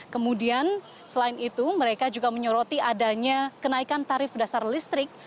kemudian selain itu mereka juga menyoroti adanya kenaikan tarif dasar listrik